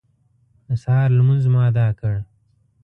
د سهار لمونځ مو اداء کړ.